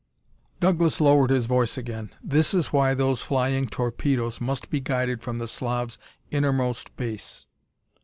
Douglas lowered his voice again. "This is why those flying torpedoes must be guided from the Slav's innermost base.